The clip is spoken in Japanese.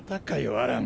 アラン！